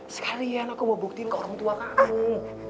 sekalian aku mau buktiin ke orang tua kamu